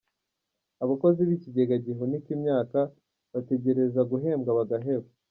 Abakozi b’ikigega gihunika imyaka bategereza guhembwa bagaheba